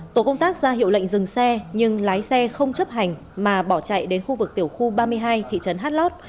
tổ công tác ra hiệu lệnh dừng xe nhưng lái xe không chấp hành mà bỏ chạy đến khu vực tiểu khu ba mươi hai thị trấn hát lót